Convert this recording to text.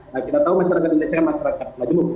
nah kita tahu masyarakat indonesia masyarakat